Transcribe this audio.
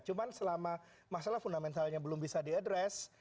cuma selama masalah fundamentalnya belum bisa di address